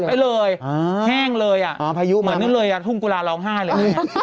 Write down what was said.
ปักไปเลยแห้งเลยอ่ะเหมือนนึกเลยอ่ะทุ่งกุราร้องไห้เลย